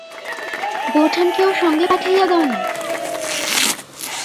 বোঠানকেও সঙ্গে পাঠাইয়া দাও-না!